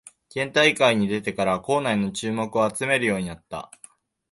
県大会に出てから校内の注目を集めるようになった